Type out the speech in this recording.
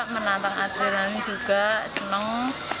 menantang adrenalin juga seneng